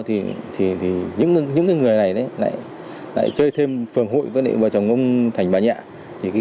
thì những người này lại chơi thêm phường hội với vợ chồng ông thành và nhẹ